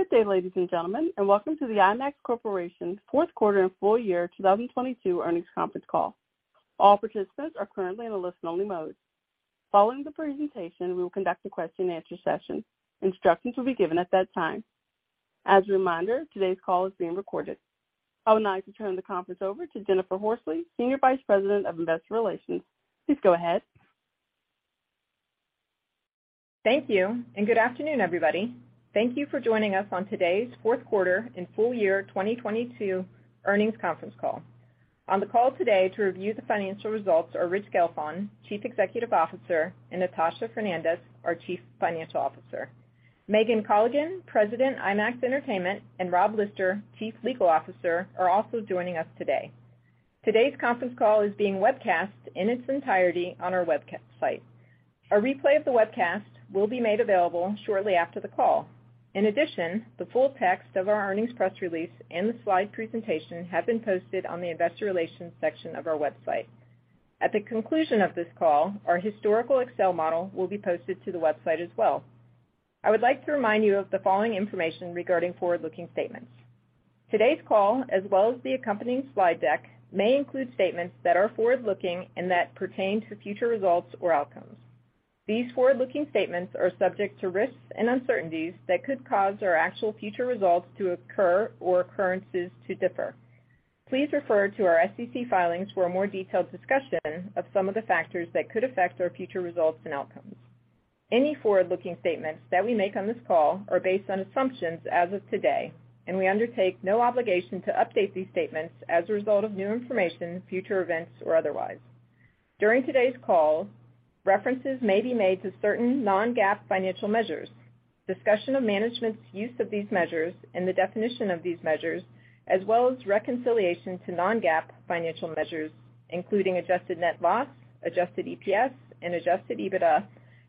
Good day, ladies and gentlemen, and welcome to the IMAX Corporation's Fourth Quarter and Full Year 2022 Earnings Conference Call. All participants are currently in a listen-only mode. Following the presentation, we will conduct a question-and-answer session. Instructions will be given at that time. As a reminder, today's call is being recorded. I would now like to turn the conference over to Jennifer Horsley, Senior Vice President of Investor Relations. Please go ahead. Thank you. Good afternoon, everybody. Thank you for joining us on today's Fourth Quarter and Full Year 2022 Earnings Conference Call. On the call today to review the financial results are Rich Gelfond, Chief Executive Officer, and Natasha Fernandes, our Chief Financial Officer. Megan Colligan, President, IMAX Entertainment, and Rob Lister, Chief Legal Officer, are also joining us today. Today's conference call is being webcast in its entirety on our website. A replay of the webcast will be made available shortly after the call. The full text of our earnings press release and the slide presentation have been posted on the investor relations section of our website. At the conclusion of this call, our historical Excel model will be posted to the website as well. I would like to remind you of the following information regarding forward-looking statements. Today's call, as well as the accompanying slide deck, may include statements that are forward-looking and that pertain to future results or outcomes. These forward-looking statements are subject to risks and uncertainties that could cause our actual future results to occur or occurrences to differ. Please refer to our SEC filings for a more detailed discussion of some of the factors that could affect our future results and outcomes. Any forward-looking statements that we make on this call are based on assumptions as of today, and we undertake no obligation to update these statements as a result of new information, future events, or otherwise. During today's call, references may be made to certain non-GAAP financial measures. Discussion of management's use of these measures and the definition of these measures, as well as reconciliation to non-GAAP financial measures, including Adjusted Net Loss, Adjusted EPS, and Adjusted EBITDA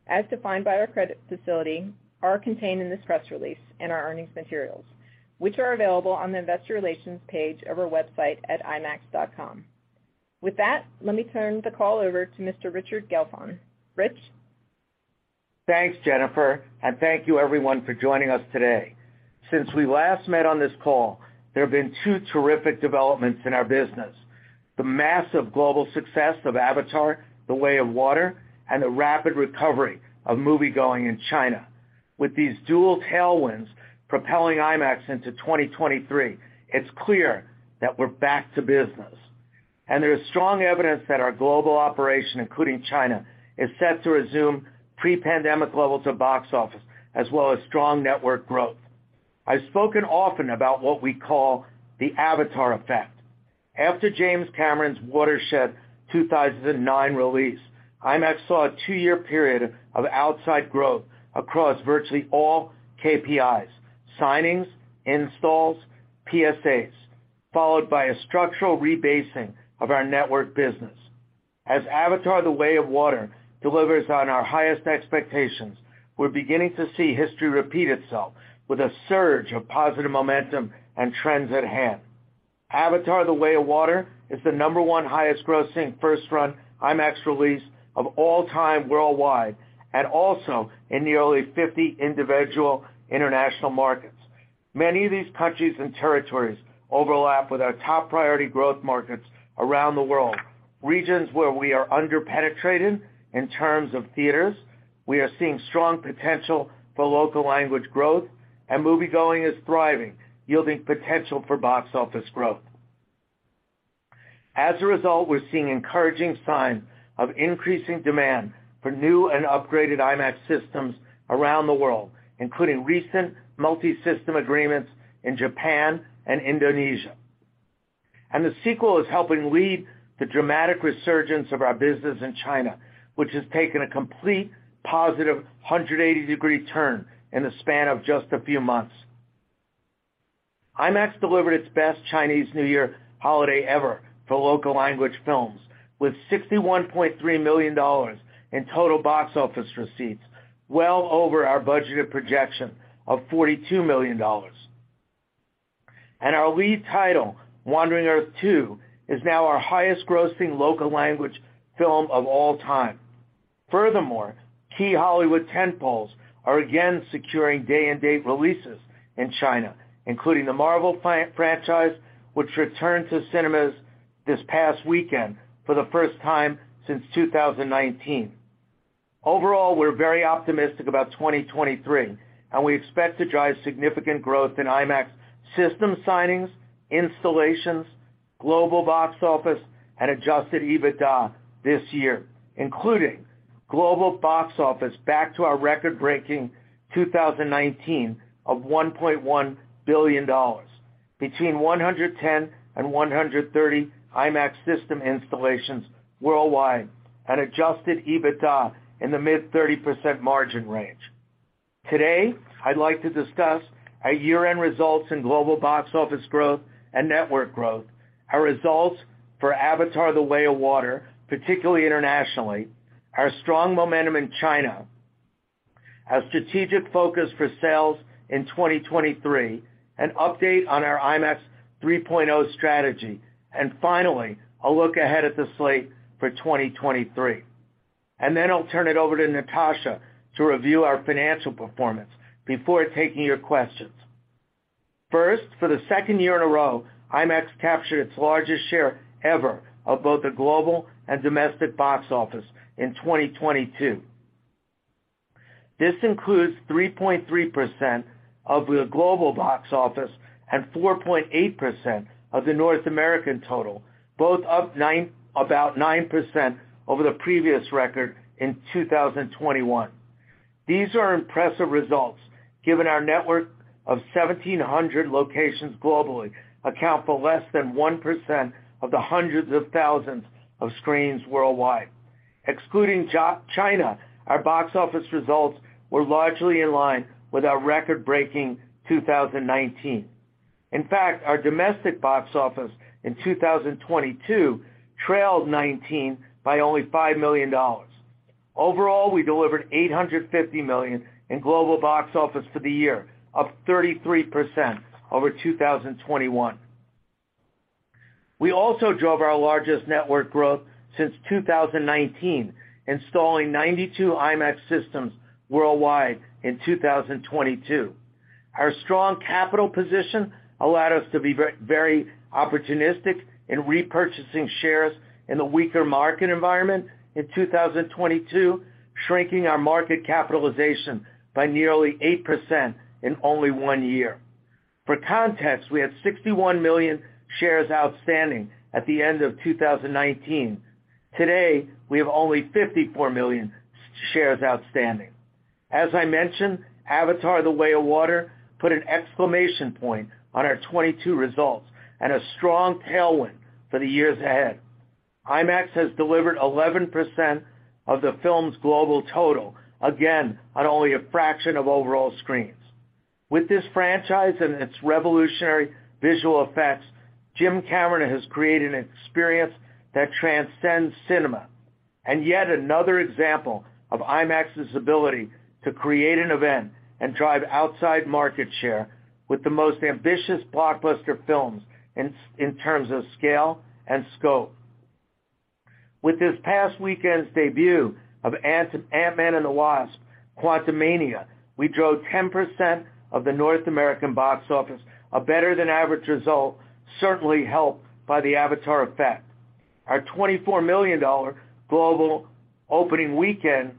as defined by our credit facility, are contained in this press release and our earnings materials, which are available on the investor relations page of our website at imax.com. Let me turn the call over to Mr. Richard Gelfond. Rich. Thanks, Jennifer, thank you everyone for joining us today. Since we last met on this call, there have been two terrific developments in our business, the massive global success of Avatar: The Way of Water, and the rapid recovery of moviegoing in China. With these dual tailwinds propelling IMAX into 2023, it's clear that we're back to business. There's strong evidence that our global operation, including China, is set to resume pre-pandemic levels of box office as well as strong network growth. I've spoken often about what we call the Avatar effect. After James Cameron's watershed 2009 release, IMAX saw a two-year period of outside growth across virtually all KPIs, signings, installs, PSAs, followed by a structural rebasing of our network business. As Avatar: The Way of Water delivers on our highest expectations, we're beginning to see history repeat itself with a surge of positive momentum and trends at hand. Avatar: The Way of Water is the number one highest grossing first-run IMAX release of all time worldwide, and also in nearly 50 individual international markets. Many of these countries and territories overlap with our top priority growth markets around the world, regions where we are under-penetrated in terms of theaters. We are seeing strong potential for local language growth, and moviegoing is thriving, yielding potential for box office growth. As a result, we're seeing encouraging signs of increasing demand for new and upgraded IMAX systems around the world, including recent multi-system agreements in Japan and Indonesia. The sequel is helping lead the dramatic resurgence of our business in China, which has taken a complete positive 180-degree turn in the span of just a few months. IMAX delivered its best Chinese New Year holiday ever for local language films, with $61.3 million in total box office receipts, well over our budgeted projection of $42 million. Our lead title, The Wandering Earth 2, is now our highest grossing local language film of all time. Furthermore, key Hollywood tentpoles are again securing day-and-date releases in China, including the Marvel franchise, which returned to cinemas this past weekend for the first time since 2019. Overall, we're very optimistic about 2023. We expect to drive significant growth in IMAX system signings, installations, global box office, and Adjusted EBITDA this year, including global box office back to our record-breaking 2019 of $1.1 billion, between 110 and 130 IMAX system installations worldwide, and Adjusted EBITDA in the mid-30% margin range. Today, I'd like to discuss our year-end results in global box office growth and network growth, our results for Avatar: The Way of Water, particularly internationally, our strong momentum in China, our strategic focus for sales in 2023, an update on our IMAX 3.0 strategy, and finally, a look ahead at the slate for 2023. Then I'll turn it over to Natasha to review our financial performance before taking your questions. For the second year in a row, IMAX captured its largest share ever of both the global and domestic box office in 2022. This includes 3.3% of the global box office and 4.8% of the North American total, both up about 9% over the previous record in 2021. These are impressive results given our network of 1,700 locations globally account for less than 1% of the hundreds of thousands of screens worldwide. Excluding China, our box office results were largely in line with our record-breaking 2019. Our domestic box office in 2022 trailed 2019 by only $5 million. We delivered $850 million in global box office for the year, up 33% over 2021. We also drove our largest network growth since 2019, installing 92 IMAX systems worldwide in 2022. Our strong capital position allowed us to be very opportunistic in repurchasing shares in the weaker market environment in 2022, shrinking our market capitalization by nearly 8% in only one year. For context, we had 61 million shares outstanding at the end of 2019. Today, we have only 54 million shares outstanding. As I mentioned, Avatar: The Way of Water put an exclamation point on our 2022 results and a strong tailwind for the years ahead. IMAX has delivered 11% of the film's global total, again, on only a fraction of overall screens. With this franchise and its revolutionary visual effects, James Cameron has created an experience that transcends cinema, and yet another example of IMAX's ability to create an event and drive outside market share with the most ambitious blockbuster films in terms of scale and scope. With this past weekend's debut of Ant-Man and the Wasp: Quantumania, we drove 10% of the North American box office, a better-than-average result certainly helped by the Avatar effect. Our $24 million global opening weekend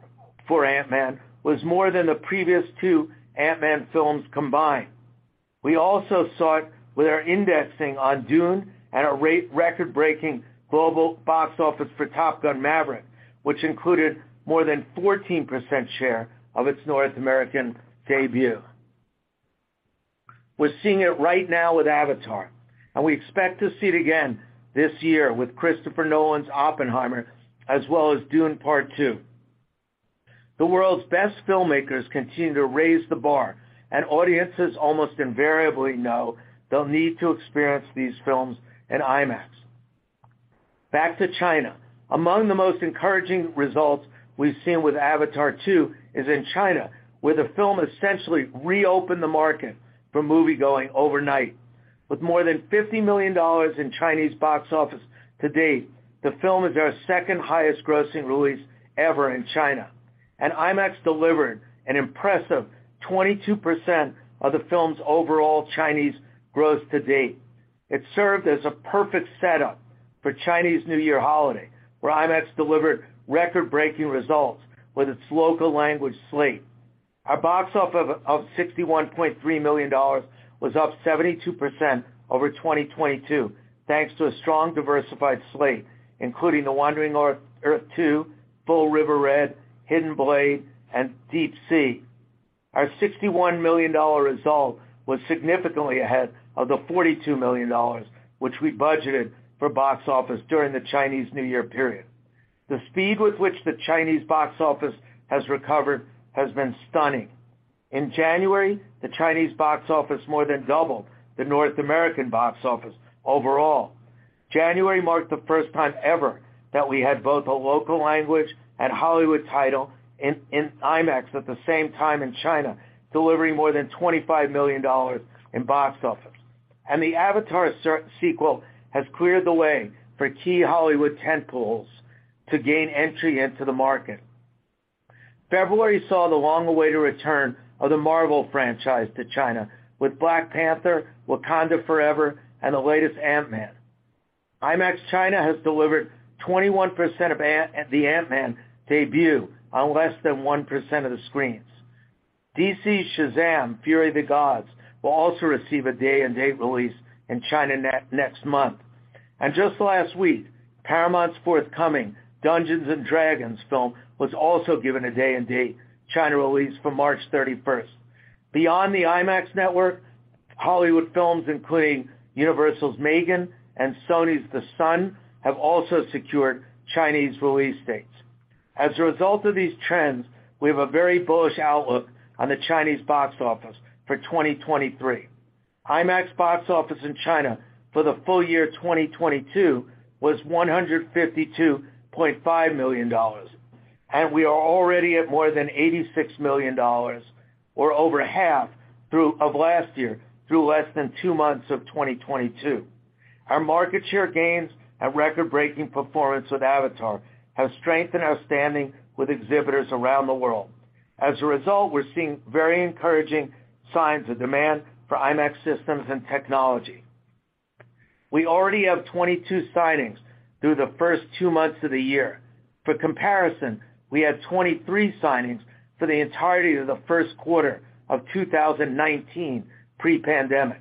for Ant-Man was more than the previous two Ant-Man films combined. We also saw it with our indexing on Dune and our record-breaking global box office for Top Gun: Maverick, which included more than 14% share of its North American debut. We're seeing it right now with Avatar, we expect to see it again this year with Christopher Nolan's Oppenheimer, as well as Dune: Part Two. The world's best filmmakers continue to raise the bar, audiences almost invariably know they'll need to experience these films in IMAX. Back to China. Among the most encouraging results we've seen with Avatar 2 is in China, where the film essentially reopened the market for moviegoing overnight. With more than $50 million in Chinese box office to date, the film is our second highest grossing release ever in China. IMAX delivered an impressive 22% of the film's overall Chinese gross to date. It served as a perfect setup for Chinese New Year holiday, where IMAX delivered record-breaking results with its local language slate. Our box office of $61.3 million was up 72% over 2022, thanks to a strong diversified slate, including The Wandering Earth 2, Full River Red, Hidden Blade, and Deep Sea. Our $61 million result was significantly ahead of the $42 million which we budgeted for box office during the Chinese New Year period. The speed with which the Chinese box office has recovered has been stunning. In January, the Chinese box office more than doubled the North American box office overall. January marked the first time ever that we had both a local language and Hollywood title in IMAX at the same time in China, delivering more than $25 million in box office. The Avatar sequel has cleared the way for key Hollywood tentpoles to gain entry into the market. February saw the long-awaited return of the Marvel franchise to China with Black Panther: Wakanda Forever and the latest Ant-Man. IMAX China has delivered 21% of the Ant-Man debut on less than 1% of the screens. DC's Shazam! Fury of the Gods will also receive a day-and-date release in China net-next month. Just last week, Paramount's forthcoming Dungeons & Dragons film was also given a day-and-date China release for March 31st. Beyond the IMAX network, Hollywood films including Universal's M3GAN and Sony's The Son have also secured Chinese release dates. As a result of these trends, we have a very bullish outlook on the Chinese box office for 2023. IMAX box office in China for the full year 2022 was $152.5 million, and we are already at more than $86 million, or over half of last year, through less than two months of 2022. Our market share gains and record-breaking performance with Avatar have strengthened our standing with exhibitors around the world. As a result, we're seeing very encouraging signs of demand for IMAX systems and technology. We already have 22 signings through the first two months of the year. For comparison, we had 23 signings for the entirety of the first quarter of 2019 pre-pandemic.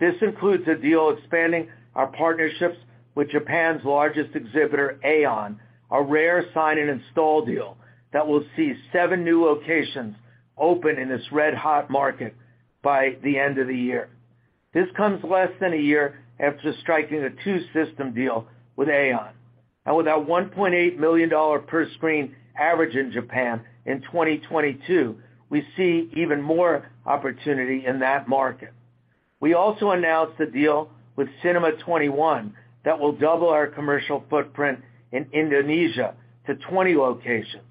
This includes a deal expanding our partnerships with Japan's largest exhibitor, AEON, a rare sign-and-install deal that will see seven new locations open in this red-hot market by the end of the year. This comes less than a year after striking a two-system deal with AEON. With our $1.8 million per screen average in Japan in 2022, we see even more opportunity in that market. We also announced a deal with Cinema 21 that will double our commercial footprint in Indonesia to 20 locations.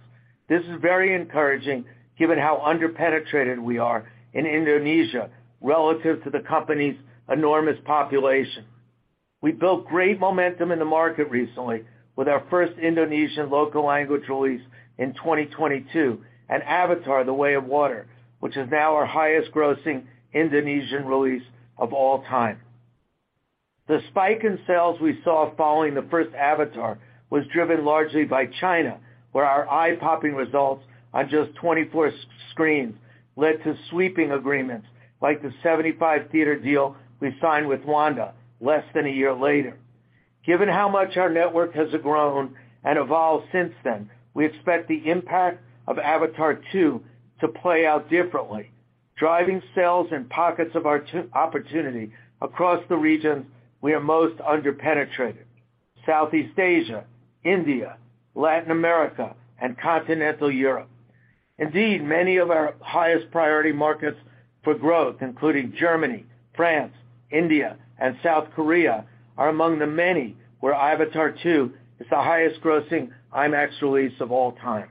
This is very encouraging given how under-penetrated we are in Indonesia relative to the company's enormous population. We built great momentum in the market recently with our first Indonesian local language release in 2022, Avatar: The Way of Water, which is now our highest-grossing Indonesian release of all time. The spike in sales we saw following the first Avatar was driven largely by China, where our eye-popping results on just 24 screens led to sweeping agreements like the 75-theater deal we signed with Wanda less than a year later. Given how much our network has grown and evolved since then, we expect the impact of Avatar 2 to play out differently, driving sales in pockets of our opportunity across the regions we are most under-penetrated, Southeast Asia, India, Latin America, and Continental Europe. Indeed, many of our highest-priority markets for growth, including Germany, France, India, and South Korea, are among the many where Avatar 2 is the highest-grossing IMAX release of all time.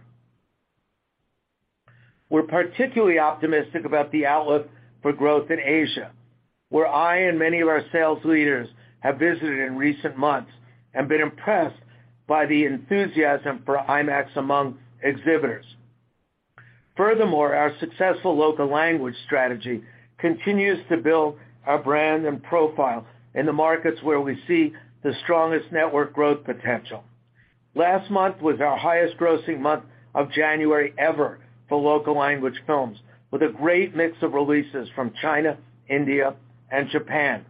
We're particularly optimistic about the outlook for growth in Asia, where I and many of our sales leaders have visited in recent months and been impressed by the enthusiasm for IMAX among exhibitors. Furthermore, our successful local language strategy continues to build our brand and profile in the markets where we see the strongest network growth potential. Last month was our highest-grossing month of January ever for local language films, with a great mix of releases from China, India, and Japan.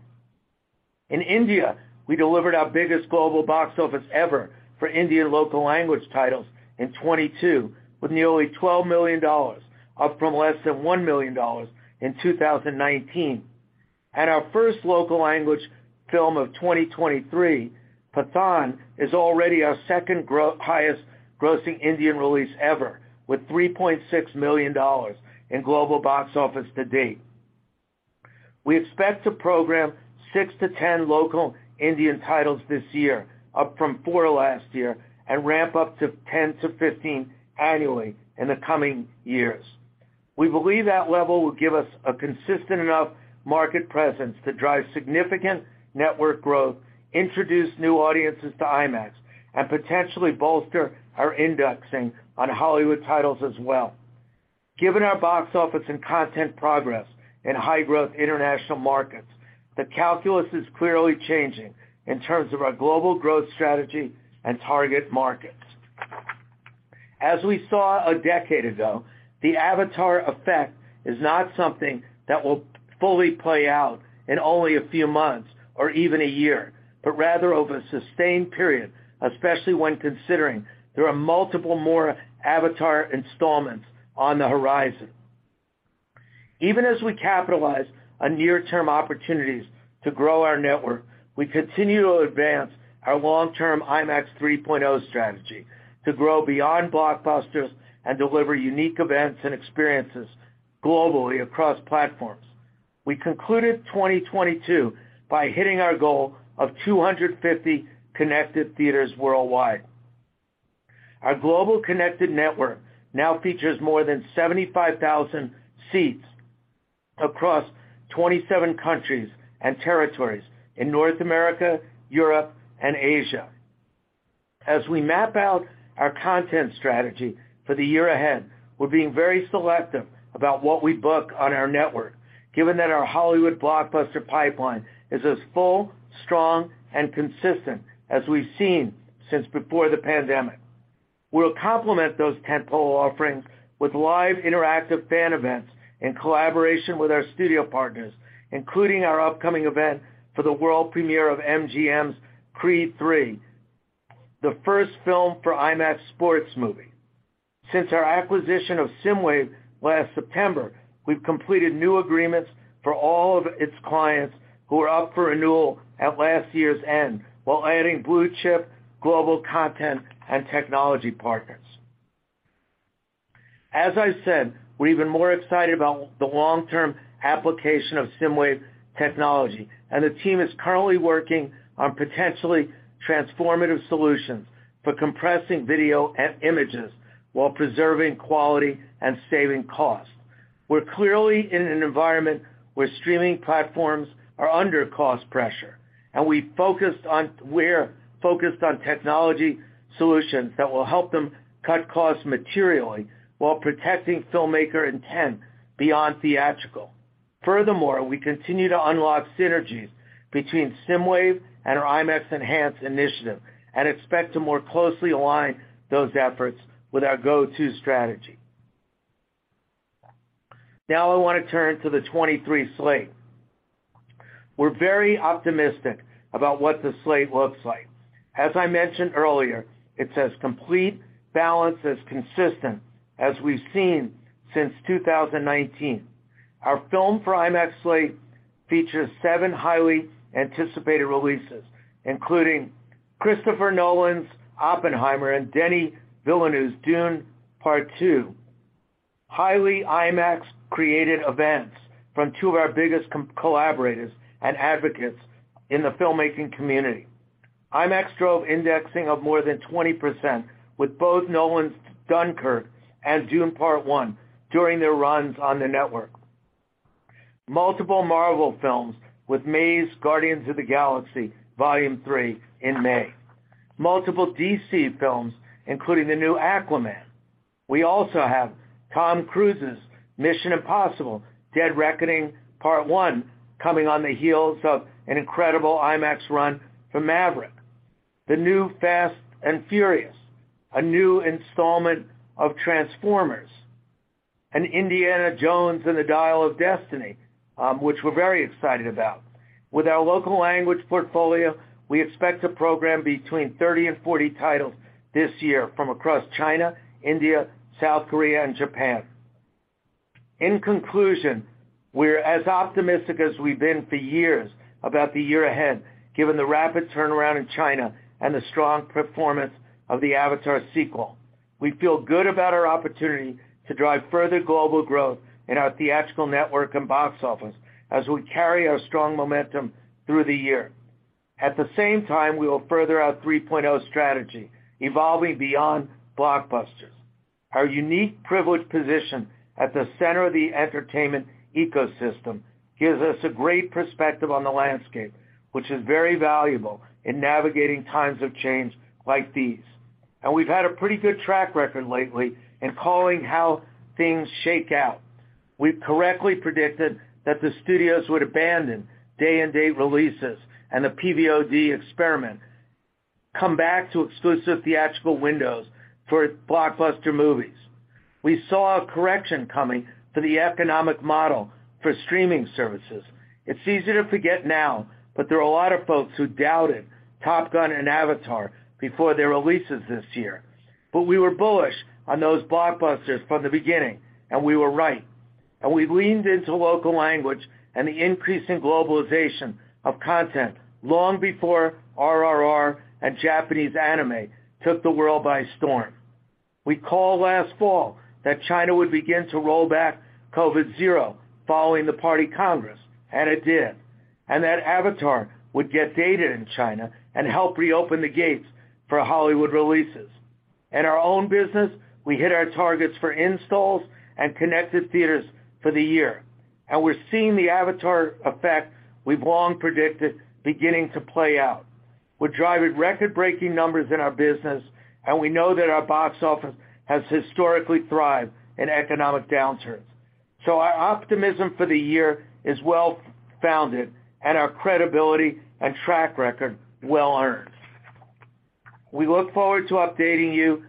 In India, we delivered our biggest global box office ever for Indian local language titles in 2022, with nearly $12 million, up from less than $1 million in 2019. Our first local language film of 2023, Pathaan, is already our second highest-grossing Indian release ever, with $3.6 million in global box office to date. We expect to program 6-10 local Indian titles this year, up from four last year, and ramp up to 10-15 annually in the coming years. We believe that level will give us a consistent enough market presence to drive significant network growth, introduce new audiences to IMAX, and potentially bolster our indexing on Hollywood titles as well. Given our box office and content progress in high-growth international markets, the calculus is clearly changing in terms of our global growth strategy and target markets. As we saw a decade ago, the Avatar effect is not something that will fully play out in only a few months or even a year, but rather over a sustained period, especially when considering there are multiple more Avatar installments on the horizon. Even as we capitalize on near-term opportunities to grow our network, we continue to advance our long-term IMAX 3.0 strategy to grow beyond blockbusters and deliver unique events and experiences globally across platforms. We concluded 2022 by hitting our goal of 250 connected theaters worldwide. Our global connected network now features more than 75,000 seats across 27 countries and territories in North America, Europe, and Asia. As we map out our content strategy for the year ahead, we're being very selective about what we book on our network, given that our Hollywood blockbuster pipeline is as full, strong, and consistent as we've seen since before the pandemic. We'll complement those tentpole offerings with live interactive fan events in collaboration with our studio partners, including our upcoming event for the world premiere of MGM's Creed III, the first film for IMAX sports movie. Since our acquisition of SSIMWAVE last September, we've completed new agreements for all of its clients who were up for renewal at last year's end while adding blue-chip global content and technology partners. As I said, we're even more excited about the long-term application of SSIMWAVE technology, and the team is currently working on potentially transformative solutions for compressing video and images while preserving quality and saving costs. We're clearly in an environment where streaming platforms are under cost pressure, and we're focused on technology solutions that will help them cut costs materially while protecting filmmaker intent beyond theatrical. Furthermore, we continue to unlock synergies between SSIMWAVE and our IMAX Enhanced initiative and expect to more closely align those efforts with our Go-to strategy. Now I wanna turn to the 2023 slate. We're very optimistic about what the slate looks like. As I mentioned earlier, it's as complete, balanced, as consistent as we've seen since 2019. Our film for IMAX slate features seven highly anticipated releases, including Christopher Nolan's Oppenheimer and Denis Villeneuve's Dune: Part Two, highly IMAX-created events from two of our biggest collaborators and advocates in the filmmaking community. IMAX drove indexing of more than 20% with both Nolan's Dunkirk and Dune: Part One during their runs on the network. Multiple Marvel films with May's Guardians of the Galaxy Vol. 3 in May. Multiple DC films, including the new Aquaman. We also have Tom Cruise's Mission: Impossible – Dead Reckoning Part One coming on the heels of an incredible IMAX run for Maverick. The new Fast & Furious, a new installment of Transformers, an Indiana Jones and the Dial of Destiny, which we're very excited about. With our local language portfolio, we expect to program between 30 and 40 titles this year from across China, India, South Korea, and Japan. In conclusion, we're as optimistic as we've been for years about the year ahead, given the rapid turnaround in China and the strong performance of the Avatar sequel. We feel good about our opportunity to drive further global growth in our theatrical network and box office as we carry our strong momentum through the year. At the same time, we will further our three-point-oh strategy, evolving beyond blockbusters. Our unique privileged position at the center of the entertainment ecosystem gives us a great perspective on the landscape, which is very valuable in navigating times of change like these. We've had a pretty good track record lately in calling how things shake out. We correctly predicted that the studios would abandon day-and-date releases and the PVOD experiment come back to exclusive theatrical windows for blockbuster movies. We saw a correction coming to the economic model for streaming services. It's easy to forget now, there are a lot of folks who doubted Top Gun and Avatar before their releases this year. We were bullish on those blockbusters from the beginning, and we were right. We leaned into local language and the increase in globalization of content long before RRR and Japanese anime took the world by storm. We called last fall that China would begin to roll back Zero-COVID following the party Congress, and it did, and that Avatar would get data in China and help reopen the gates for Hollywood releases. In our own business, we hit our targets for installs and connected theaters for the year, and we're seeing the Avatar effect we've long predicted beginning to play out. We're driving record-breaking numbers in our business, and we know that our box office has historically thrived in economic downturns. Our optimism for the year is well-founded, and our credibility and track record well-earned. We look forward to updating you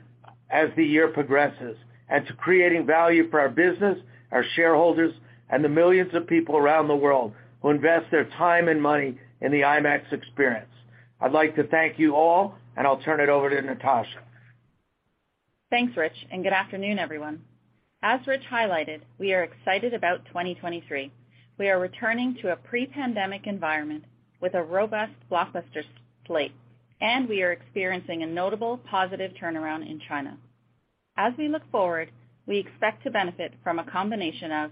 as the year progresses and to creating value for our business, our shareholders, and the millions of people around the world who invest their time and money in the IMAX experience. I'd like to thank you all, and I'll turn it over to Natasha. Thanks, Rich. Good afternoon, everyone. As Rich highlighted, we are excited about 2023. We are returning to a pre-pandemic environment with a robust blockbuster slate. We are experiencing a notable positive turnaround in China. As we look forward, we expect to benefit from a combination of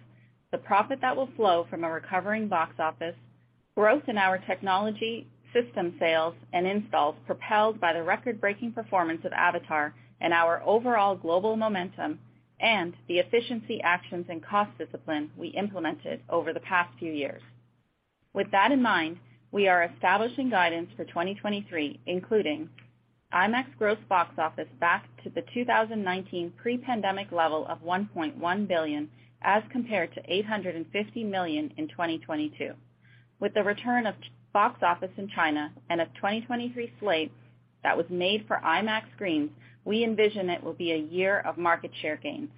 the profit that will flow from a recovering box office, growth in our technology system sales and installs propelled by the record-breaking performance of Avatar and our overall global momentum, and the efficiency actions and cost discipline we implemented over the past few years. With that in mind, we are establishing guidance for 2023, including IMAX gross box office back to the 2019 pre-pandemic level of $1.1 billion as compared to $850 million in 2022. With the return of box office in China and a 2023 slate that was made for IMAX screens, we envision it will be a year of market share gains.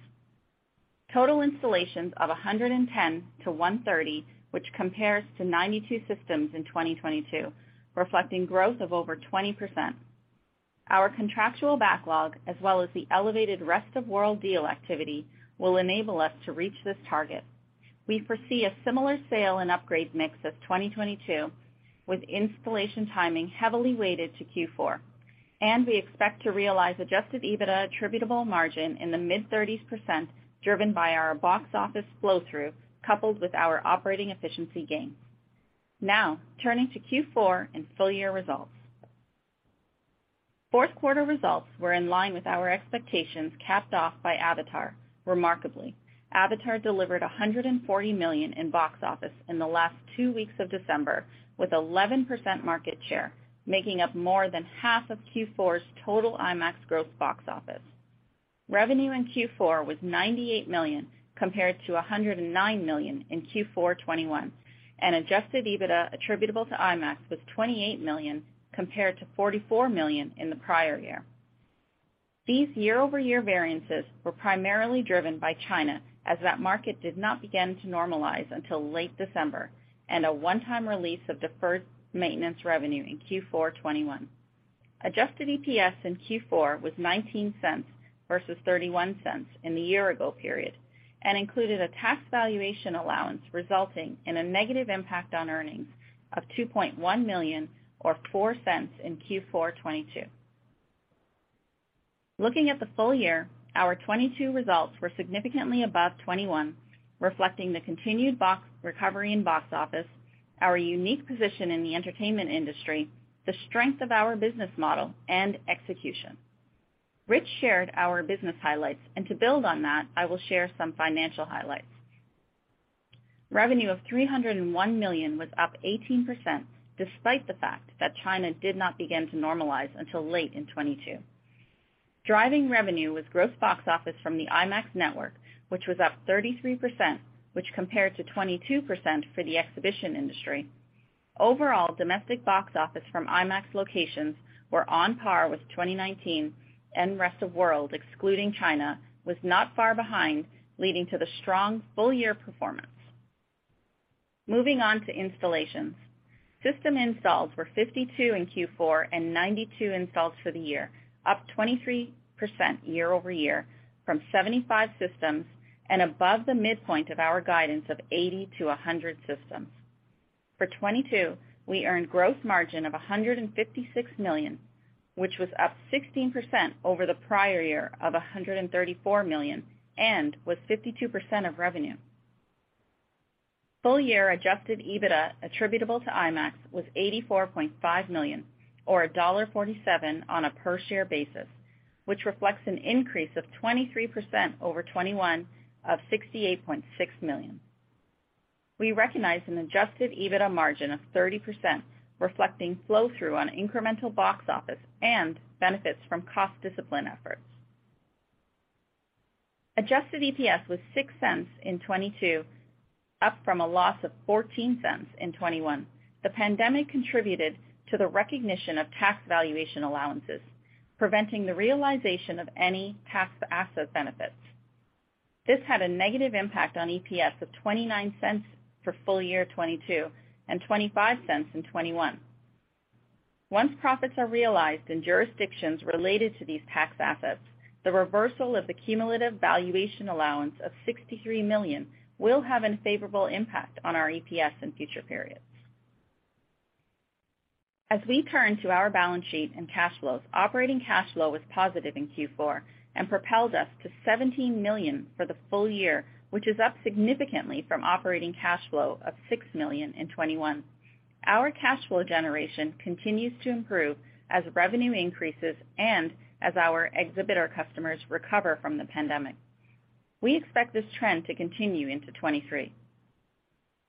Total installations of 110-130, which compares to 92 systems in 2022, reflecting growth of over 20%. Our contractual backlog, as well as the elevated rest-of-world deal activity, will enable us to reach this target. We foresee a similar sale and upgrade mix of 2022 with installation timing heavily weighted to Q4, and we expect to realize Adjusted EBITDA attributable margin in the mid-30s%, driven by our box office flow-through coupled with our operating efficiency gains. Turning to Q4 and full-year results. Fourth quarter results were in line with our expectations, capped off by Avatar. Remarkably, Avatar delivered $140 million in box office in the last two weeks of December, with 11% market share, making up more than half of Q4's total IMAX gross box office. Revenue in Q4 was $98 million, compared to $109 million in Q4 2021, and Adjusted EBITDA attributable to IMAX was $28 million, compared to $44 million in the prior year. These year-over-year variances were primarily driven by China, as that market did not begin to normalize until late December, and a one-time release of deferred maintenance revenue in Q4 2021. Adjusted EPS in Q4 was $0.19 versus $0.31 in the year ago period, and included a tax valuation allowance resulting in a negative impact on earnings of $2.1 million or $0.04 in Q4 2022. Looking at the full year, our 2022 results were significantly above 2021, reflecting the continued recovery in box office, our unique position in the entertainment industry, the strength of our business model, and execution. Rich shared our business highlights, and to build on that, I will share some financial highlights. Revenue of $301 million was up 18% despite the fact that China did not begin to normalize until late in 2022. Driving revenue was gross box office from the IMAX network, which was up 33%, which compared to 22% for the exhibition industry. Overall, domestic box office from IMAX locations were on par with 2019, and rest of world, excluding China, was not far behind, leading to the strong full-year performance. Moving on to installations. System installs were 52 in Q4 and 92 installs for the year, up 23% year-over-year from 75 systems and above the midpoint of our guidance of 80-100 systems. For 2022, we earned gross margin of $156 million, which was up 16% over the prior year of $134 million and was 52% of revenue. Full year Adjusted EBITDA attributable to IMAX was $84.5 million, or $1.47 on a per-share basis, which reflects an increase of 23% over 2021 of $68.6 million. We recognized an Adjusted EBITDA margin of 30%, reflecting flow-through on incremental box office and benefits from cost discipline efforts. Adjusted EPS was $0.06 in 2022, up from a loss of $0.14 in 2021. The pandemic contributed to the recognition of tax valuation allowances, preventing the realization of any tax asset benefits. This had a negative impact on EPS of $0.29 for full year 2022 and $0.25 in 2021. Once profits are realized in jurisdictions related to these tax assets, the reversal of the cumulative valuation allowance of $63 million will have a favorable impact on our EPS in future periods. We turn to our balance sheet and cash flows, operating cash flow was positive in Q4 and propelled us to $17 million for the full year, which is up significantly from operating cash flow of $6 million in 2021. Our cash flow generation continues to improve as revenue increases and as our exhibitor customers recover from the pandemic. We expect this trend to continue into 2023.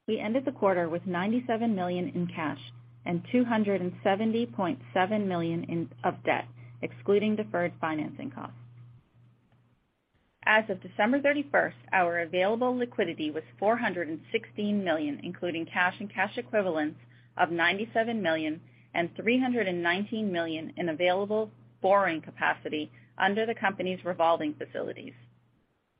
We ended the quarter with $97 million in cash and $270.7 million of debt, excluding deferred financing costs. As of December 31st, our available liquidity was $416 million, including cash and cash equivalents of $97 million and $319 million in available borrowing capacity under the company's revolving facilities.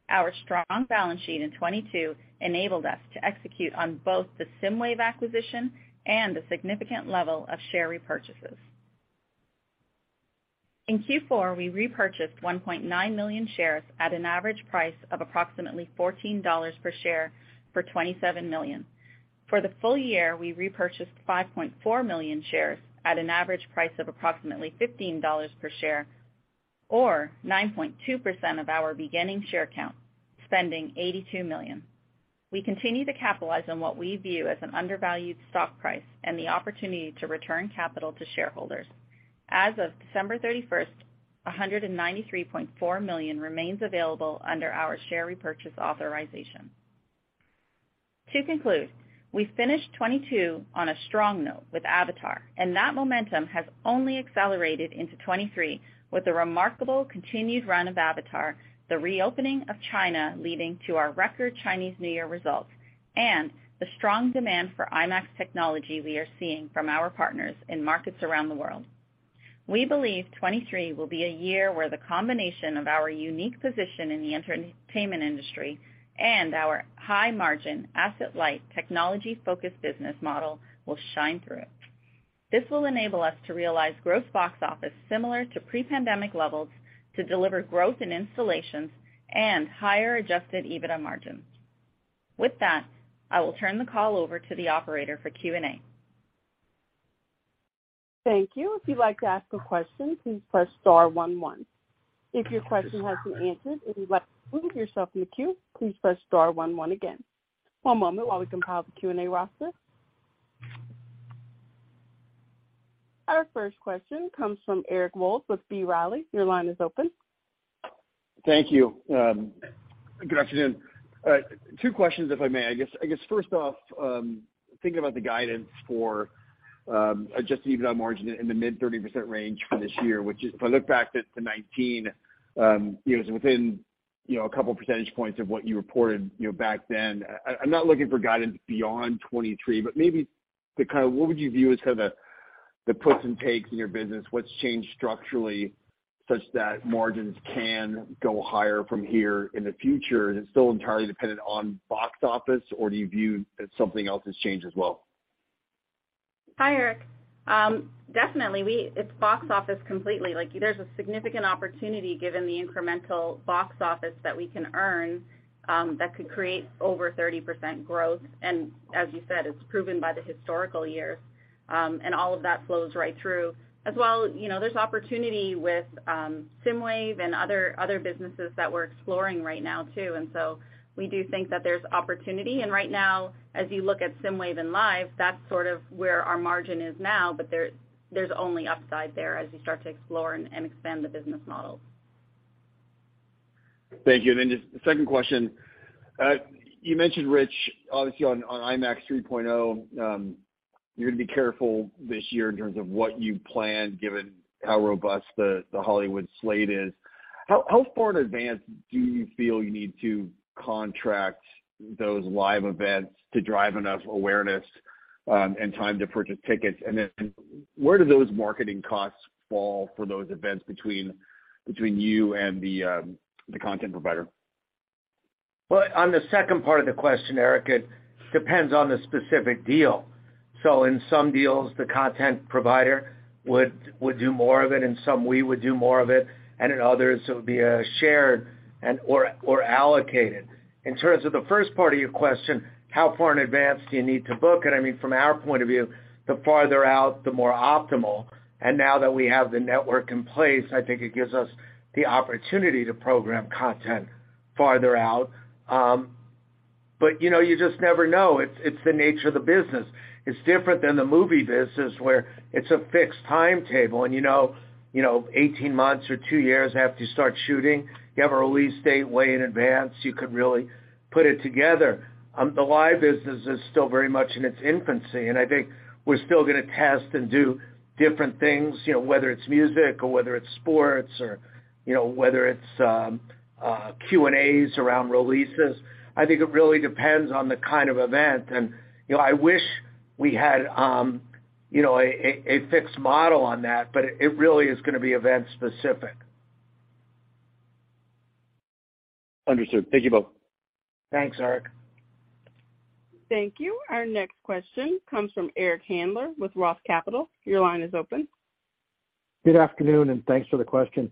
Our strong balance sheet in 2022 enabled us to execute on both the SSIMWAVE acquisition and a significant level of share repurchases. In Q4, we repurchased 1.9 million shares at an average price of approximately $14 per share for $27 million. For the full year, we repurchased 5.4 million shares at an average price of approximately $15 per share or 9.2% of our beginning share count, spending $82 million. We continue to capitalize on what we view as an undervalued stock price and the opportunity to return capital to shareholders. As of December 31st, $193.4 million remains available under our share repurchase authorization. To conclude, we finished 2022 on a strong note with Avatar, and that momentum has only accelerated into 2023 with the remarkable continued run of Avatar, the reopening of China leading to our record Chinese New Year results, and the strong demand for IMAX technology we are seeing from our partners in markets around the world. We believe 2023 will be a year where the combination of our unique position in the entertainment industry and our high margin, asset-light, technology-focused business model will shine through. This will enable us to realize gross box office similar to pre-pandemic levels to deliver growth in installations and higher Adjusted EBITDA margins. With that, I will turn the call over to the operator for Q&A. Thank you. If you'd like to ask a question, please press star one one. If your question has been answered and you'd like to remove yourself from the queue, please press star one one again. One moment while we compile the Q&A roster. Our first question comes from Eric Wold with B. Riley. Your line is open. Thank you. Good afternoon. Two questions, if I may. I guess first off, thinking about the guidance for Adjusted EBITDA margin in the mid-30% range for this year, which is, if I look back at to 2019, you know, is within, you know, a couple percentage points of what you reported, you know, back then. I'm not looking for guidance beyond 2023, maybe what would you view as the puts and takes in your business? What's changed structurally, such that margins can go higher from here in the future? Is it still entirely dependent on box office, or do you view that something else has changed as well? Hi, Eric. Definitely it's box office completely. Like, there's a significant opportunity given the incremental box office that we can earn, that could create over 30% growth. As you said, it's proven by the historical years. All of that flows right through. As well, you know, there's opportunity with SSIMWAVE and other businesses that we're exploring right now too. We do think that there's opportunity. Right now, as you look at SSIMWAVE and Live, that's sort of where our margin is now. There's only upside there as you start to explore and expand the business models. Thank you. Just the second question. You mentioned Rich, obviously on IMAX 3.0, you're gonna be careful this year in terms of what you plan, given how robust the Hollywood slate is. How far in advance do you feel you need to contract those live events to drive enough awareness and time to purchase tickets? Where do those marketing costs fall for those events between you and the content provider? Well, on the second part of the question, Eric, it depends on the specific deal. In some deals, the content provider would do more of it. In some, we would do more of it, and in others, it would be a shared and/or allocated. In terms of the first part of your question, how far in advance do you need to book it? I mean, from our point of view, the farther out, the more optimal. Now that we have the network in place, I think it gives us the opportunity to program content farther out. you know, you just never know. It's the nature of the business. It's different than the movie business, where it's a fixed timetable and, you know, 18 months or two years after you start shooting, you have a release date way in advance, you can really put it together. The live business is still very much in its infancy, and I think we're still gonna test and do different things, you know, whether it's music or whether it's sports or, you know, whether it's Q&As around releases. I think it really depends on the kind of event. I wish we had, you know, a fixed model on that, but it really is gonna be event-specific. Understood. Thank you both. Thanks, Eric. Thank you. Our next question comes from Eric Handler with ROTH Capital. Your line is open. Good afternoon. Thanks for the question.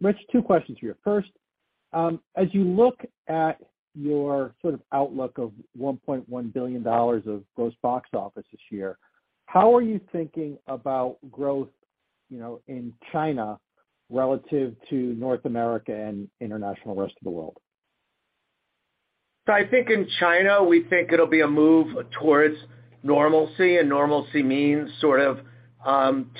Rich, two questions for you. First, as you look at your sort of outlook of $1.1 billion of gross box office this year, how are you thinking about growth, you know, in China relative to North America and international rest of the world? I think in China, we think it'll be a move towards normalcy, and normalcy means sort of,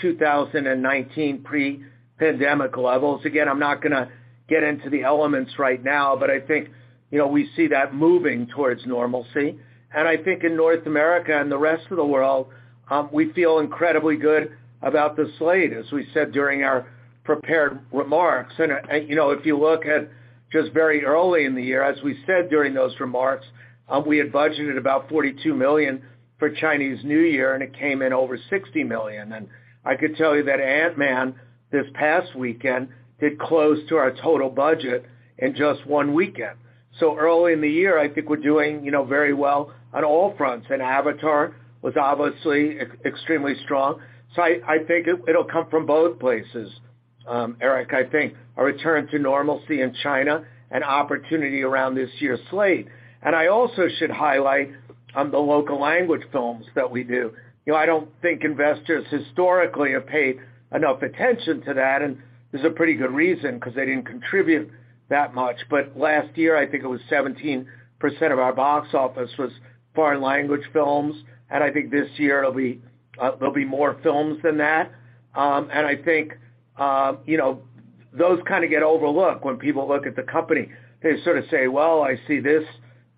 2019 pre-pandemic levels. I'm not gonna get into the elements right now, but I think, you know, we see that moving towards normalcy. I think in North America and the rest of the world, we feel incredibly good about the slate, as we said during our prepared remarks. You know, if you look at just very early in the year, as we said during those remarks, we had budgeted about $42 million for Chinese New Year, and it came in over $60 million. I could tell you that Ant-Man this past weekend did close to our total budget in just one weekend. Early in the year, I think we're doing, you know, very well on all fronts. Avatar was obviously extremely strong. I think it'll come from both places, Eric. I think a return to normalcy in China and opportunity around this year's slate. I also should highlight the local language films that we do. You know, I don't think investors historically have paid enough attention to that, and there's a pretty good reason, ’cause they didn't contribute that much. Last year, I think it was 17% of our box office was foreign language films, and I think this year it'll be there'll be more films than that. I think, you know, those kind of get overlooked when people look at the company. They sort of say, "Well, I see this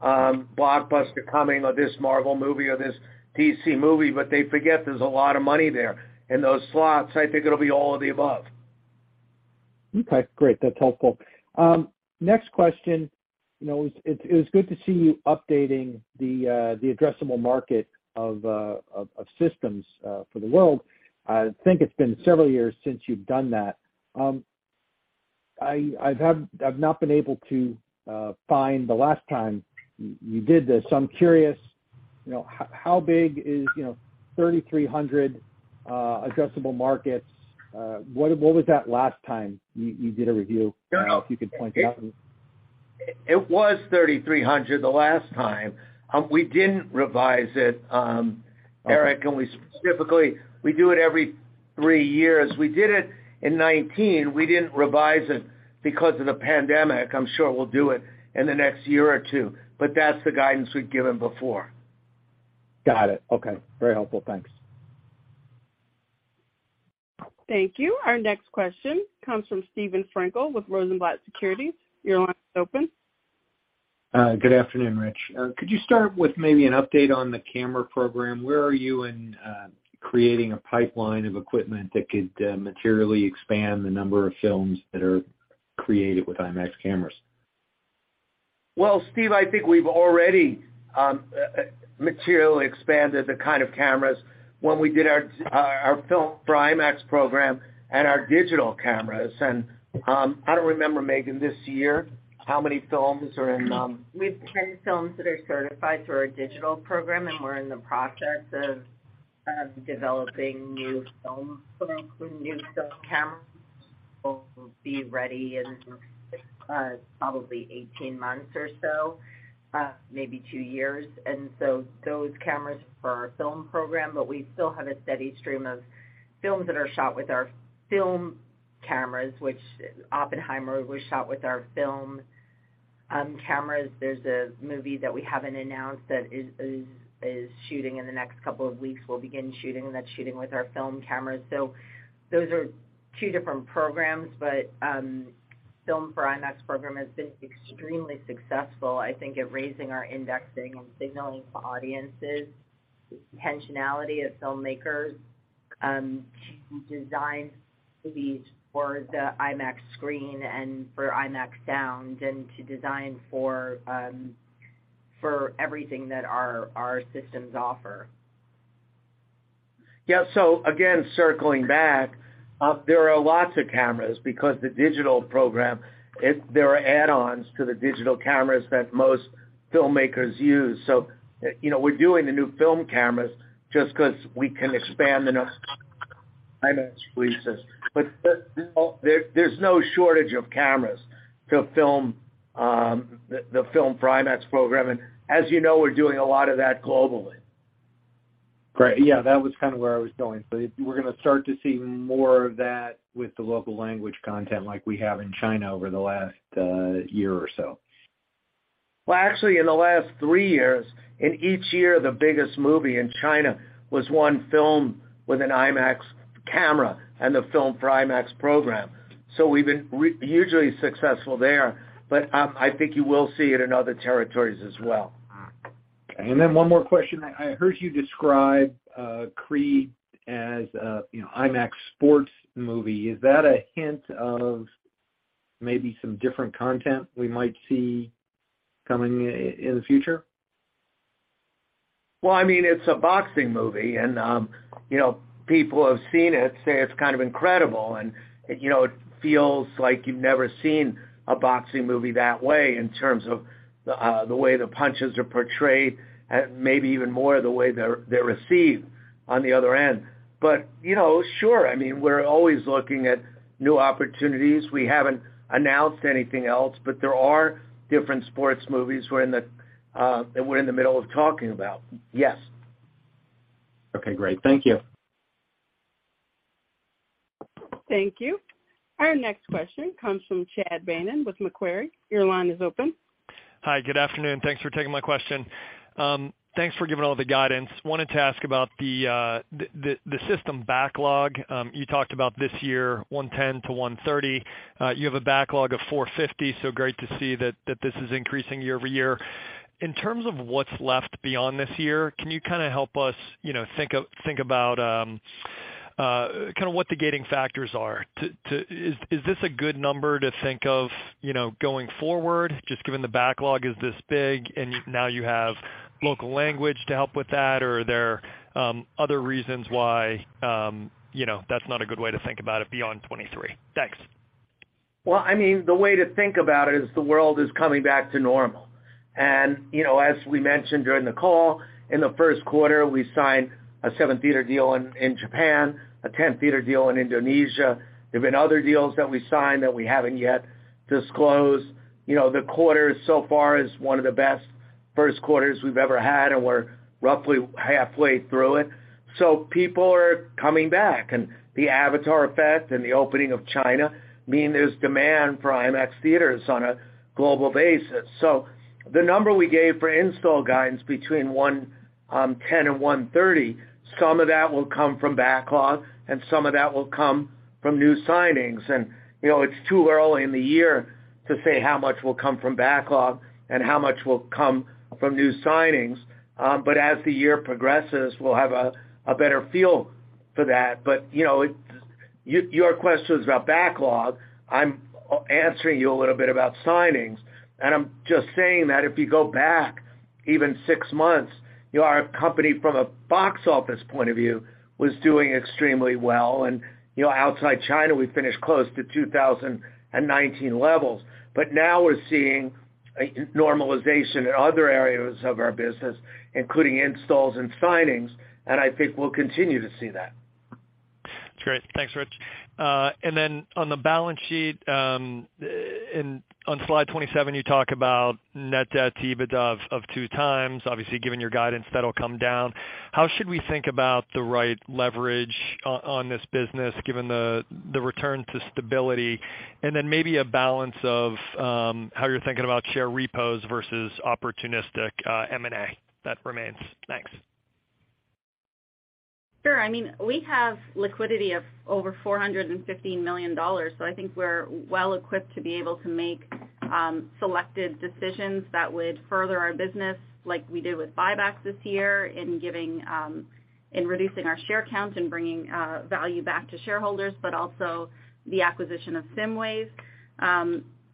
blockbuster coming, or this Marvel movie or this DC movie," but they forget there's a lot of money there in those slots. I think it'll be all of the above. Okay, great. That's helpful. Next question. You know, it was good to see you updating the addressable market of systems for the world. I think it's been several years since you've done that. I've not been able to find the last time you did this. I'm curious, you know, how big is, you know, 3,300 addressable markets? What was that last time you did a review? I don't know if you could point that out. It was 3,300 the last time. We didn't revise it, Eric. We specifically, we do it every three years. We did it in 2019. We didn't revise it because of the pandemic. I'm sure we'll do it in the next year or two, but that's the guidance we've given before. Got it. Okay. Very helpful. Thanks. Thank you. Our next question comes from Steven Frankel with Rosenblatt Securities. Your line is open. Good afternoon, Rich. Could you start with maybe an update on the camera program? Where are you in creating a pipeline of equipment that could materially expand the number of films that are created with IMAX cameras? Steve, I think we've already materially expanded the kind of cameras when we did our Filmed for IMAX program and our digital cameras. I don't remember, Megan, this year, how many films are in. We have 10 films that are certified through our digital program, and we're in the process of developing new film cameras. Will be ready in probably 18 months or so, maybe two years. Those cameras for our film program, but we still have a steady stream of films that are shot with our film cameras, which Oppenheimer was shot with our film cameras. There's a movie that we haven't announced that is shooting in the next couple of weeks. We'll begin shooting. That's shooting with our film cameras. Those are two different programs. Filmed For IMAX program has been extremely successful, I think, at raising our indexing and signaling to audiences the intentionality of filmmakers to design movies for the IMAX screen and for IMAX sound and to design for everything that our systems offer. Yeah. Again, circling back, there are lots of cameras because the digital program, there are add-ons to the digital cameras that most filmmakers use. You know, we're doing the new film cameras just 'cause we can expand the number of IMAX releases. There's no shortage of cameras to film, the Filmed for IMAX program. As you know, we're doing a lot of that globally. Great. Yeah, that was kinda where I was going. We're gonna start to see more of that with the local language content like we have in China over the last year or so. Well, actually in the last three years, in each year, the biggest movie in China was one filmed with an IMAX camera and the Filmed for IMAX program. We've been hugely successful there. I think you will see it in other territories as well. One more question. I heard you describe Creed III as a, you know, IMAX sports movie. Is that a hint of maybe some different content we might see coming in the future? Well, I mean, it's a boxing movie, and, you know, people who have seen it say it's kind of incredible. You know, it feels like you've never seen a boxing movie that way in terms of, the way the punches are portrayed, maybe even more the way they're received on the other end. You know, sure. I mean, we're always looking at new opportunities. We haven't announced anything else, but there are different sports movies we're in the middle of talking about. Yes. Okay, great. Thank you. Thank you. Our next question comes from Chad Beynon with Macquarie. Your line is open. Hi. Good afternoon. Thanks for taking my question. Thanks for giving all the guidance. Wanted to ask about the system backlog. You talked about this year, 110-130. You have a backlog of 450, so great to see that this is increasing year-over-year. In terms of what's left beyond this year, can you kinda help us, you know, think about kinda what the gating factors are? Is this a good number to think of, you know, going forward, just given the backlog is this big and now you have local language to help with that? Or are there other reasons why, you know, that's not a good way to think about it beyond 2023? Thanks. Well, I mean, the way to think about it is the world is coming back to normal. You know, as we mentioned during the call, in the first quarter, we signed a seven-theater deal in Japan, a 10-theater deal in Indonesia. There've been other deals that we signed that we haven't yet disclosed. You know, the quarter so far is one of the best first quarters we've ever had, and we're roughly halfway through it. People are coming back. The Avatar effect and the opening of China mean there's demand for IMAX theaters on a global basis. The number we gave for install guidance between 110 and 130, some of that will come from backlog, and some of that will come from new signings. You know, it's too early in the year to say how much will come from backlog and how much will come from new signings. As the year progresses, we'll have a better feel for that. You know, Your question is about backlog. I'm answering you a little bit about signings. I'm just saying that if you go back even six months, you know, our company from a box office point of view, was doing extremely well. You know, outside China, we finished close to 2019 levels. Now we're seeing a normalization in other areas of our business, including installs and signings, and I think we'll continue to see that. That's great. Thanks, Rich. Then on the balance sheet, on slide 27, you talk about net debt to EBITDA of two times. Obviously, given your guidance, that'll come down. How should we think about the right leverage on this business given the return to stability? Then maybe a balance of how you're thinking about share repos versus opportunistic M&A that remains. Thanks. Sure. I mean, we have liquidity of over $450 million. I think we're well equipped to be able to make selected decisions that would further our business like we did with buybacks this year in giving in reducing our share count and bringing value back to shareholders, but also the acquisition of SSIMWAVE.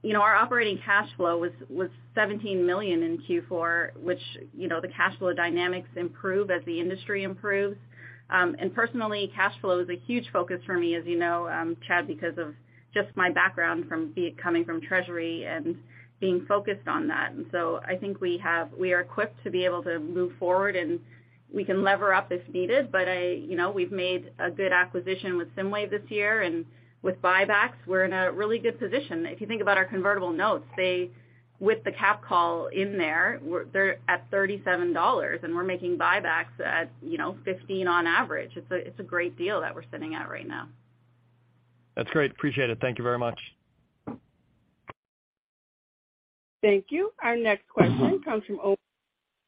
You know, our operating cash flow was $17 million in Q4, which, you know, the cash flow dynamics improve as the industry improves. Personally, cash flow is a huge focus for me, as you know, Chad, because of just my background from coming from treasury and being focused on that. I think we are equipped to be able to move forward, and we can lever up if needed. I, you know, we've made a good acquisition with SSIMWAVE this year and with buybacks. We're in a really good position. If you think about our convertible notes, they, with the capped call in there, they're at $37, and we're making buybacks at, you know, 15 on average. It's a, it's a great deal that we're sitting at right now. That's great. Appreciate it. Thank you very much. Thank you. Our next question comes from Omar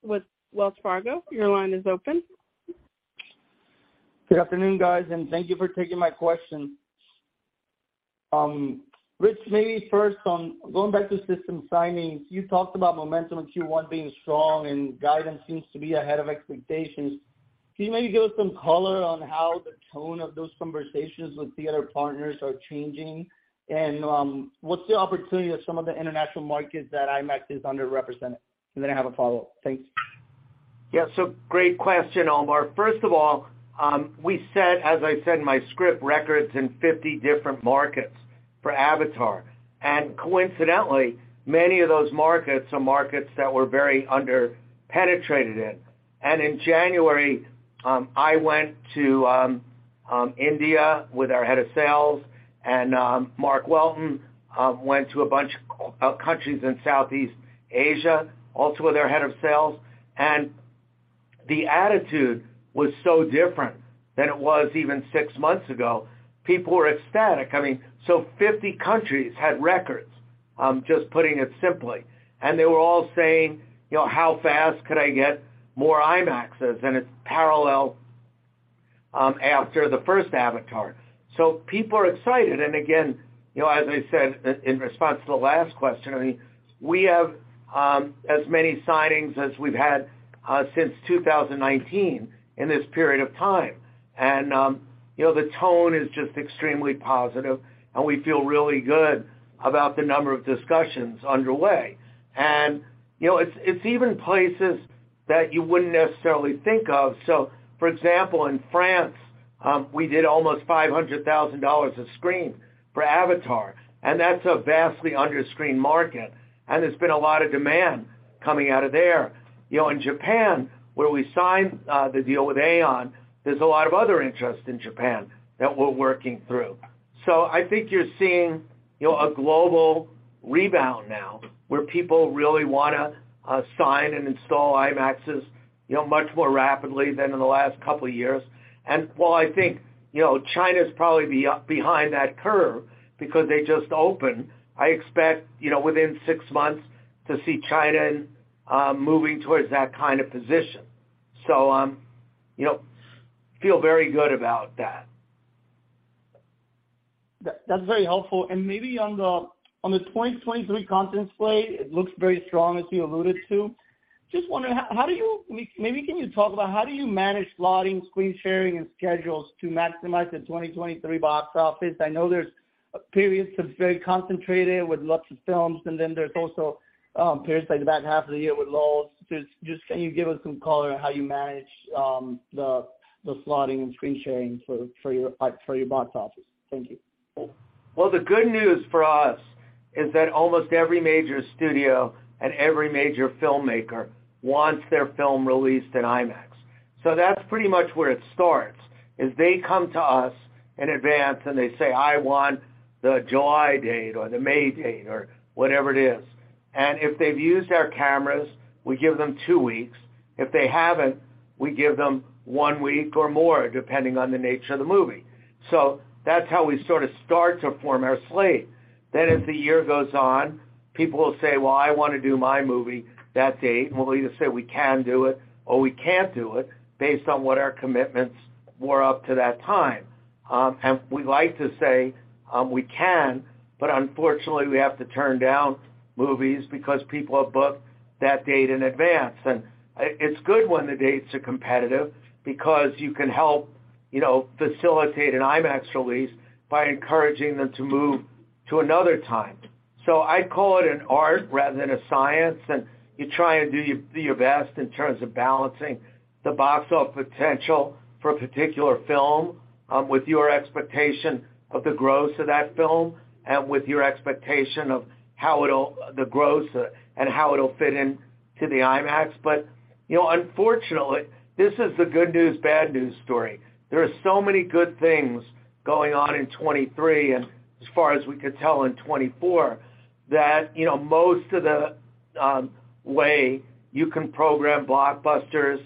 with Wells Fargo. Your line is open. Good afternoon, guys, and thank you for taking my question. Rich, maybe first on going back to system signings, you talked about momentum in Q1 being strong and guidance seems to be ahead of expectations. Can you maybe give us some color on how the tone of those conversations with the other partners are changing? What's the opportunity of some of the international markets that IMAX is underrepresented? Then I have a follow-up. Thanks. Yeah. Great question, Omar. First of all, we set, as I said in my script, records in 50 different markets for Avatar. Coincidentally, many of those markets are markets that we're very under penetrated in. In January, I went to India with our head of sales, and Mark Welton went to a bunch of countries in Southeast Asia, also with our head of sales. The attitude was so different than it was even six months ago. People were ecstatic. I mean, 50 countries had records, just putting it simply. They were all saying, you know, "How fast could I get more IMAXs?" It's parallel after the first Avatar. People are excited. Again, you know, as I said in response to the last question, I mean, we have, as many signings as we've had, since 2019 in this period of time. You know, the tone is just extremely positive, and we feel really good about the number of discussions underway. You know, it's even places that you wouldn't necessarily think of. So for example, in France, we did almost $500,000 a screen for Avatar, and that's a vastly under-screened market, and there's been a lot of demand coming out of there. You know, in Japan, where we signed, the deal with AEON, there's a lot of other interest in Japan that we're working through. I think you're seeing, you know, a global rebound now where people really wanna sign and install IMAXs, you know, much more rapidly than in the last couple of years. While I think, you know, China's probably behind that curve because they just opened, I expect, you know, within six months to see China moving towards that kind of position. you know, feel very good about that. That's very helpful. Maybe on the 2023 content slate, it looks very strong as you alluded to. Just wondering, how do you manage slotting, screen sharing, and schedules to maximize the 2023 box office? I know there's periods that's very concentrated with lots of films, and then there's also periods like the back half of the year with lull. Just can you give us some color on how you manage the slotting and screen sharing for your box office? Thank you. Well, the good news for us is that almost every major studio and every major filmmaker wants their film released in IMAX. That's pretty much where it starts, is they come to us in advance and they say, "I want the July date or the May date," or whatever it is. If they've used our cameras, we give them two weeks. If they haven't, we give them one week or more, depending on the nature of the movie. That's how we sort of start to form our slate. As the year goes on, people will say, "Well, I wanna do my movie that date." We'll either say we can do it or we can't do it based on what our commitments were up to that time. We like to say, we can, but unfortunately, we have to turn down movies because people have booked that date in advance. It's good when the dates are competitive because you can help, you know, facilitate an IMAX release by encouraging them to move to another time. I call it an art rather than a science, and you try and do your best in terms of balancing the box office potential for a particular film, with your expectation of the gross of that film and with your expectation of the gross and how it'll fit into the IMAX. You know, unfortunately, this is the good news, bad news story. There are so many good things going on in 2023, as far as we could tell, in 2024, that, you know, most of the way you can program blockbusters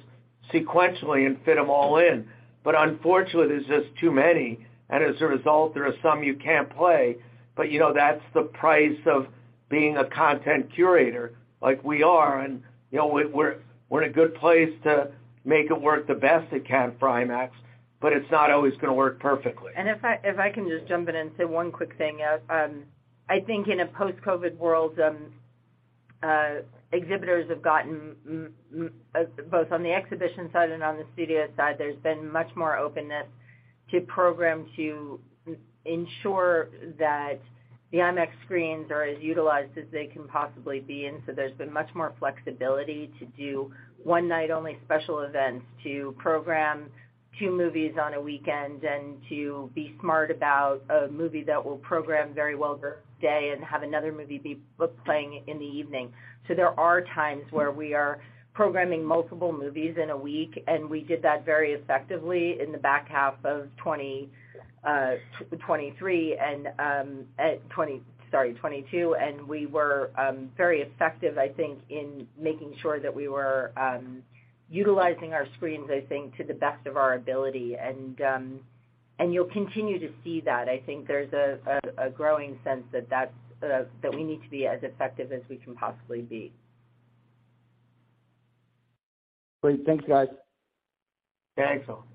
sequentially and fit them all in. Unfortunately, there's just too many. As a result, there are some you can't play. You know, that's the price of being a content curator like we are. You know, we're in a good place to make it work the best it can for IMAX, but it's not always gonna work perfectly. If I can just jump in and say one quick thing. I think in a post-COVID world, exhibitors have gotten Both on the exhibition side and on the studio side, there's been much more openness to program to ensure that the IMAX screens are as utilized as they can possibly be. There's been much more flexibility to do one night only special events, to program two movies on a weekend, and to be smart about a movie that will program very well during the day and have another movie playing in the evening. There are times where we are programming multiple movies in a week, and we did that very effectively in the back half of 2022. We were very effective, I think, in making sure that we were utilizing our screens, I think, to the best of our ability. You'll continue to see that. I think there's a growing sense that that's that we need to be as effective as we can possibly be. Great. Thanks, guys. Thanks a lot.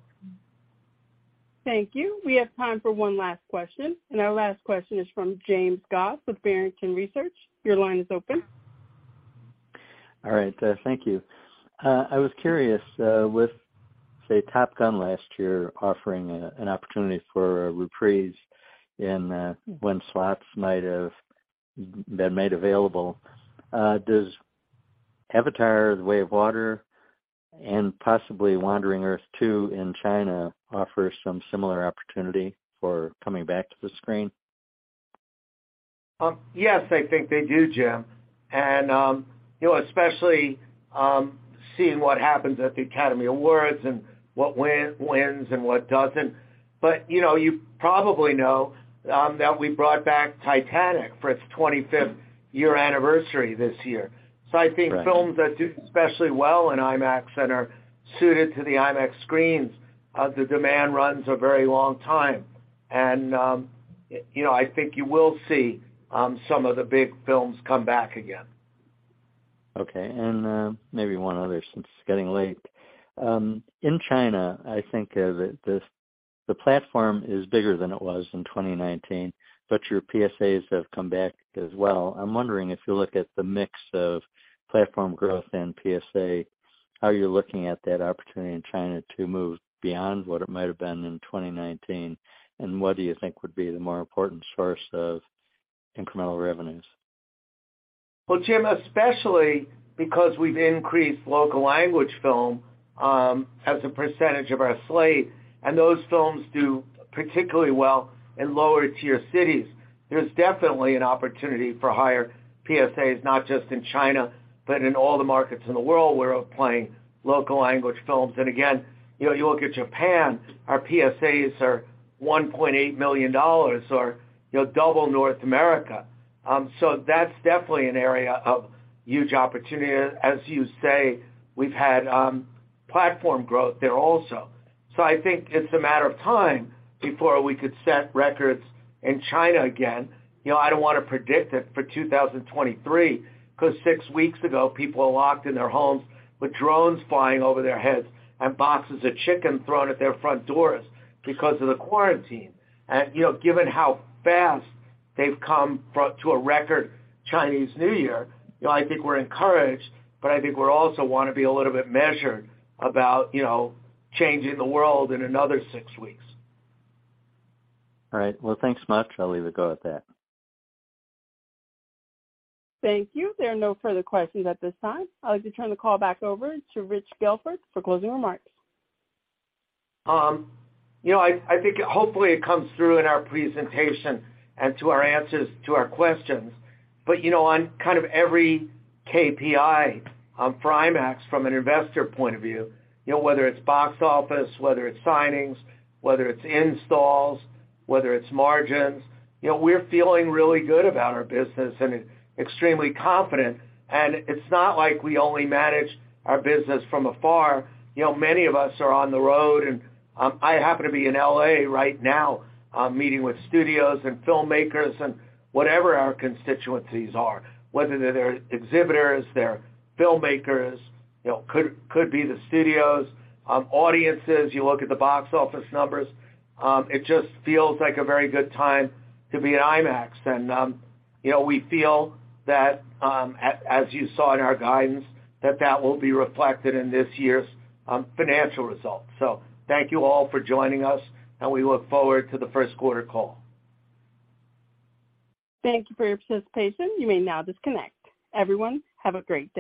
Thank you. We have time for one last question. Our last question is from James Goss with Barrington Research. Your line is open. All right. thank you. I was curious, with, say, Top Gun last year offering an opportunity for a reprise and, when slots might have been made available, does Avatar: The Way of Water and possibly The Wandering Earth 2 in China offer some similar opportunity for coming back to the screen? Yes, I think they do, James. You know, especially, seeing what happens at the Academy Awards and what wins and what doesn't. You know, you probably know, that we brought back Titanic for its 25th year anniversary this year. I think films that do especially well in IMAX and are suited to the IMAX screens, the demand runs a very long time. You know, I think you will see, some of the big films come back again. Okay. Maybe one other since it's getting late. In China, I think the platform is bigger than it was in 2019, but your PSAs have come back as well. I'm wondering if you look at the mix of platform growth and PSA, how you're looking at that opportunity in China to move beyond what it might have been in 2019, and what do you think would be the more important source of incremental revenues? Well, James, especially because we've increased local language film as a percentage of our slate, and those films do particularly well in lower-tier cities, there's definitely an opportunity for higher PSAs, not just in China, but in all the markets in the world where we're playing local language films. Again, you know, you look at Japan, our PSAs are $1.8 million or, you know, double North America. That's definitely an area of huge opportunity. As you say, we've had platform growth there also. I think it's a matter of time before we could set records in China again. You know, I don't wanna predict it for 2023, 'cause six weeks ago, people were locked in their homes with drones flying over their heads and boxes of chicken thrown at their front doors because of the quarantine. You know, given how fast they've come to a record Chinese New Year, you know, I think we're encouraged, but I think we're also wanna be a little bit measured about, you know, changing the world in another six weeks. All right. Well, thanks much. I'll leave it go at that. Thank you. There are no further questions at this time. I'd like to turn the call back over to Rich Gelfond for closing remarks. You know, I think hopefully it comes through in our presentation and to our answers to our questions. You know, on kind of every KPI on IMAX from an investor point of view, you know, whether it's box office, whether it's signings, whether it's installs, whether it's margins, you know, we're feeling really good about our business and extremely confident. It's not like we only manage our business from afar. You know, many of us are on the road, and I happen to be in L.A. right now, meeting with studios and filmmakers and whatever our constituencies are, whether they're exhibitors, they're filmmakers, you know, could be the studios, audiences, you look at the box office numbers. It just feels like a very good time to be at IMAX. You know, we feel that, as you saw in our guidance, that that will be reflected in this year's financial results. Thank you all for joining us, and we look forward to the first quarter call. Thank you for your participation. You may now disconnect. Everyone, have a great day.